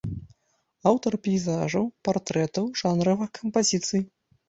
Аўтар пейзажаў, партрэтаў, жанравых кампазіцый.